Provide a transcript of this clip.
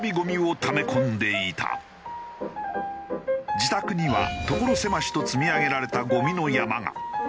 自宅には所狭しと積み上げられたゴミの山が。